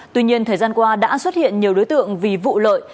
tuy nhiên thời gian qua đã xuất hiện nhiều đối tượng vì vụ lợi